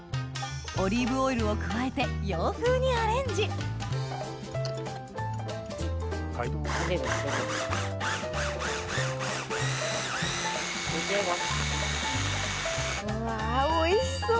オリーブオイルを加えて洋風にアレンジうわおいしそう！